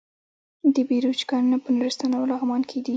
د بیروج کانونه په نورستان او لغمان کې دي.